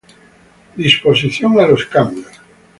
Disposición a los cambios.